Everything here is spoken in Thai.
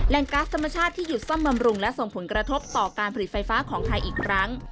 ก๊าซธรรมชาติที่หยุดซ่อมบำรุงและส่งผลกระทบต่อการผลิตไฟฟ้าของไทยอีกครั้ง